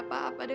gue mau berpikir